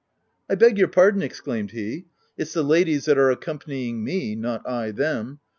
" I beg your pardon !" exclaimed he —" It's the ladies that are accompanying me, not I them.